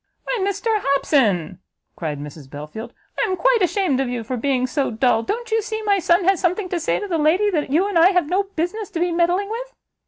"Why, Mr Hobson," cried Mrs Belfield, "I am quite ashamed of you for being so dull! don't you see my son has something to say to the lady that you and I have no business to be meddling with?"